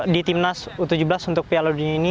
di timnas u tujuh belas untuk piala dunia ini